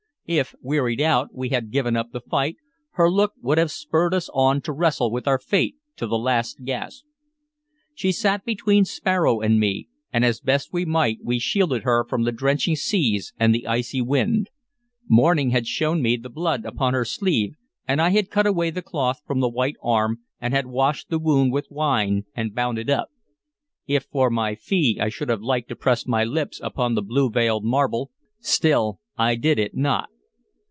If, wearied out, we had given up the fight, her look would have spurred us on to wrestle with our fate to the last gasp. She sat between Sparrow and me, and as best we might we shielded her from the drenching seas and the icy wind. Morning had shown me the blood upon her sleeve, and I had cut away the cloth from the white arm, and had washed the wound with wine and bound it up. If for my fee, I should have liked to press my lips upon the blue veined marble, still I did it not.